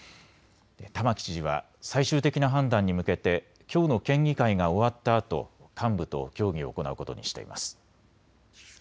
玉城知事は最終的な判断に向けてきょうの県議会が終わったあと幹部と協議を行うことにしています。